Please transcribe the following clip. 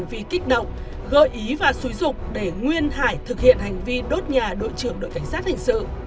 chín xuân có hành vi kích động gợi ý và xúi dục để nguyên hải thực hiện hành vi đốt nhà đội trưởng đội cảnh sát hình sự